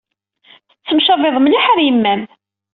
Tettemcabid mliḥ ɣer yemma-m.